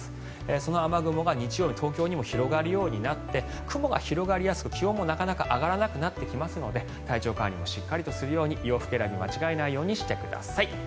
その雨雲が日曜日東京にも広がるようになって雲が広がりやすく気温もなかなか上がらなくなりますので体調管理をしっかりとするように洋服選び間違えないようにしてください。